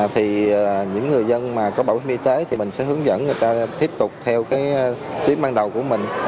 thì những người dân mà có bảo hiểm y tế thì mình sẽ hướng dẫn người ta tiếp tục theo cái tuyến ban đầu của mình